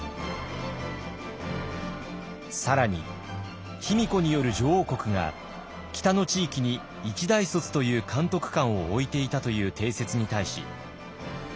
更に卑弥呼による女王国が北の地域に一大卒という監督官を置いていたという定説に対し。